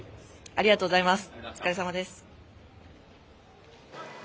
ありがとうございます。